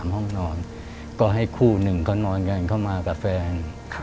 ห้องนอนก็ให้คู่หนึ่งเขานอนกันเข้ามากับแฟน